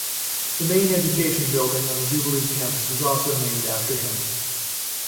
The main education building on the Jubilee Campus is also named after him.